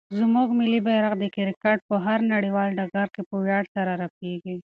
زموږ ملي بیرغ د کرکټ په هر نړیوال ډګر کې په ویاړ سره رپېږي.